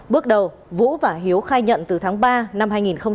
bước đầu vũ và hiếu khai nhận từ tháng ba năm hai nghìn một mươi tám